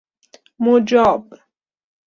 مجاب